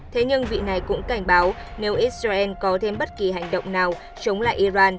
thế nhưng vị này cũng cảnh báo nếu israel có thêm bất kỳ hành động nào chống lại iran